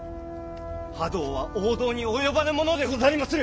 覇道は王道に及ばぬものでござりまする！